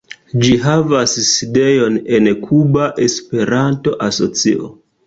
Ĝi havas sidejon en Kuba Esperanto-Asocio.